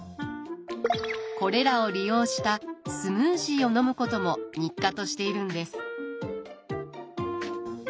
これらを利用したスムージーを飲むことも日課としているんです。